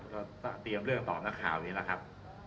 ก็เตรียมเรื่องต่อนักข่าวนี้แหละครับ